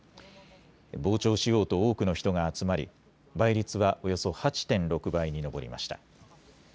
傍聴しようと多くの人が集まり倍率はおよそ８．６倍に上りました。